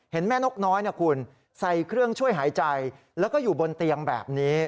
แม่นกน้อยนะคุณใส่เครื่องช่วยหายใจแล้วก็อยู่บนเตียงแบบนี้